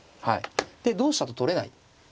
で同飛車と取れない。